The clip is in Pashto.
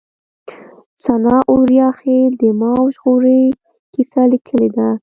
سناء اوریاخيل د ما وژغورئ کيسه ليکلې ده